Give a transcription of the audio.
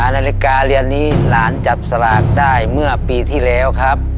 นาฬิกาเรือนนี้หลานจับสลากได้เมื่อปีที่แล้วครับ